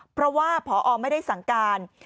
เพราะว่าพอไม่ได้สั่งการ